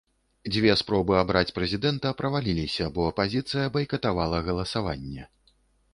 Дзве спробы абраць прэзідэнта праваліліся, бо апазіцыя байкатавала галасаванне.